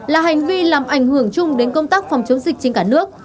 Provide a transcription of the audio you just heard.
là hành vi làm ảnh hưởng chung đến công tác phòng chống dịch trên cả nước